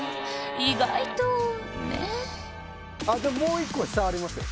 意外とねえでももう１個下ありますよ